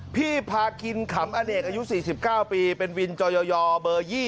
พี่พาคินขำอเนกอายุ๔๙ปีเป็นวินจอยเบอร์๒๐